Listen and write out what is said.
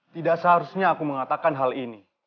tidak seharusnya aku mengatakan hal ini